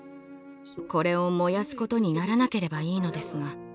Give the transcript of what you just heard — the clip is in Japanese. これを燃やすことにならなければいいのですが。